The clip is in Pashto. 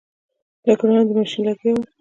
لږ وړاندې ماشین لګیا و.